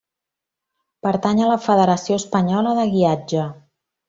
Pertany a la Federació Espanyola de Guiatge.